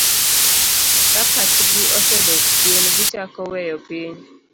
Ka pachgi osedok chien, gichako weyo piny.